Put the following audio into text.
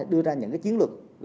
đưa ra những cái chiến lược